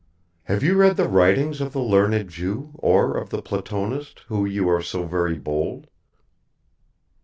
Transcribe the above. Have you read the writings of the learned Jew or of the Platonist, you who are so very bold?"